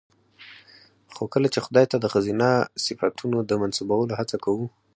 خو کله چې خداى ته د ښځينه صفتونو د منسوبولو هڅه کوو